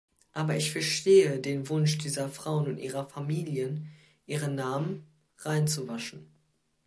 Aber ich verstehe den Wunsch dieser Frauen und ihrer Familien, ihre Namen reinzuwaschen.